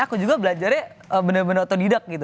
aku juga belajarnya bener bener otodidak